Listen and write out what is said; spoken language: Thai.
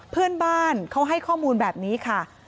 เพื่อนบ้านเขาให้ข้อมูลแบบนี้ค่ะ